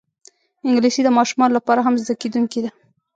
انګلیسي د ماشومانو لپاره هم زده کېدونکی ده